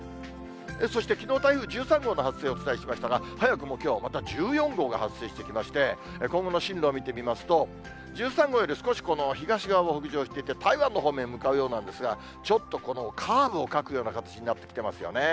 そして、きのう、台風１３号の発生をお伝えしましたが、早くもきょう、また１４号が発生してきまして、今後の進路を見てみますと、１３号より少し東側を北上していって、台湾の方面へ向かうようなんですが、ちょっとこのカーブを描くような形になってきてますよね。